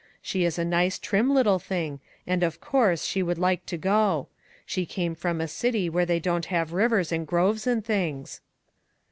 She is a nice", trim little thing, and, of course, she would like to go. She came from a city, where they don't have rivers, and groves, and things."